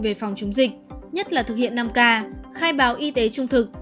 về phòng chống dịch nhất là thực hiện năm k khai báo y tế trung thực